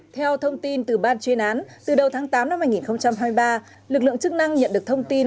theo thông tin từ ban chuyên án từ đầu tháng tám năm hai nghìn hai mươi ba lực lượng chức năng nhận được thông tin